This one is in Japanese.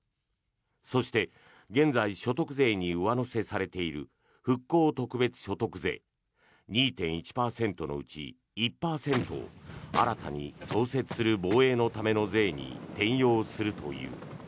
そして現在、所得税に上乗せされている復興特別所得税２．１％のうち１％を新たに創設する防衛のための税に転用するという。